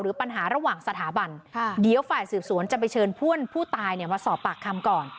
ปัญหาระหว่างสถาบันเดี๋ยวฝ่ายสืบสวนจะไปเชิญเพื่อนผู้ตายมาสอบปากคำก่อน